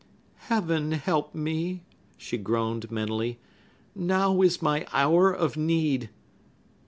"Heaven help me!" she groaned mentally. "Now is my hour of need!"